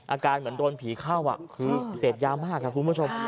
อาการเหมือนโดนผีเข้าคือเสพยามากครับคุณผู้ชม